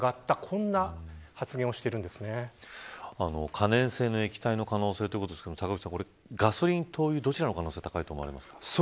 可燃性の液体の可能性ということですが坂口さん、ガソリン、灯油どちらの可能性が高いと思いますか。